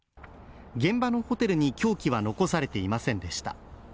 現場のホテルに凶器は残されていませんでした。